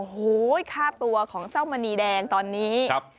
โอ้โหค่าตัวของเจ้ามณีแดงตอนนี้ครับ